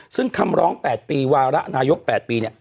ซึ่งคำร้อง๘ปีวาระนายก๘ปีเนี่ย